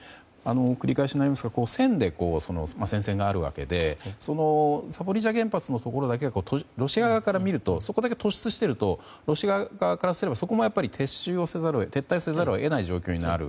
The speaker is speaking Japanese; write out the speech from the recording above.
繰り返しになりますが線で戦線があるわけでそのザポリージャ原発のところだけはロシア側から見るとそこだけ突出しているとロシア側からすれば、そこも撤退せざるを得ない状況になる。